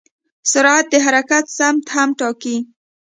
سرعت د حرکت سمت هم ټاکي.